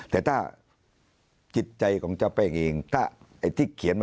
แต่ถ้าจิตใจของเจ้าแป้งเอง